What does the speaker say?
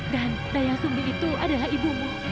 dan dayang sumi itu adalah ibumu